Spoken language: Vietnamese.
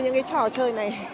những cái trò chơi này